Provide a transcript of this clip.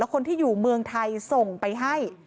คนที่อยู่เมืองไทยส่งไปให้